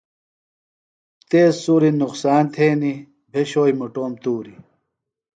تیز سُوری نقصان تھینیۡ، بھیۡشوئی مُٹوم تُوری